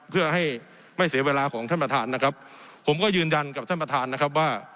เพื่อให้ไม่เสียเวลาของท่านประธานนะครับผมก็ยืนยันกับท่านประธานนะครับว่า